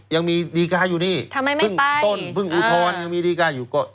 ยังมีดีการอยู่นี่ต้นเพิ่งอุทธรณ์ยังมีดีการอยู่ก็